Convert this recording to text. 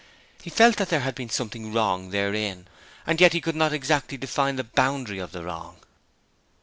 He felt that there had been something wrong therein, and yet he could not exactly define the boundary of the wrong.